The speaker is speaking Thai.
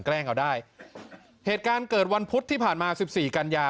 แกล้งเอาได้เหตุการณ์เกิดวันพุธที่ผ่านมาสิบสี่กันยา